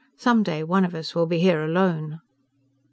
"Some day one of us will be here alone."